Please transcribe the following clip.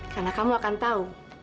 karena kamu akan tahu